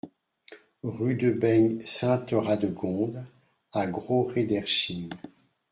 Rue de Baignes Sainte-Radegonde à Gros-Réderching